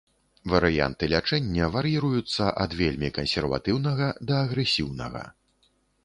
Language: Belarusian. Варыянты лячэння вар'іруюцца ад вельмі кансерватыўнага да агрэсіўнага.